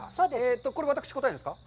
これ、私が答えるんですか？